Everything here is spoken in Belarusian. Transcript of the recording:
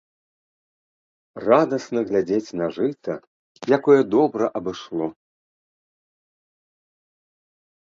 Радасна глядзець на жыта, якое добра абышло.